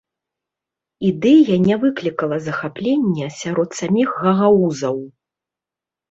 Ідэя не выклікала захаплення сярод саміх гагаузаў.